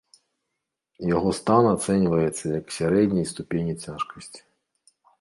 Яго стан ацэньваецца як сярэдняй ступені цяжкасці.